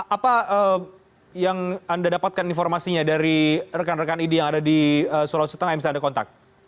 apa yang anda dapatkan informasinya dari rekan rekan idi yang ada di sulawesi tengah yang bisa anda kontak